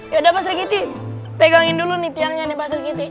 yaudah pak serikiti pegangin dulu nih tiangnya nih pak serikiti